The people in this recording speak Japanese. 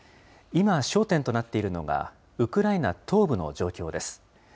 今、焦点となっているのが、ウクライナ東部の状況です。